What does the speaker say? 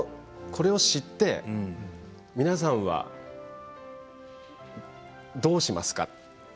これを知って皆さんはどうしますか？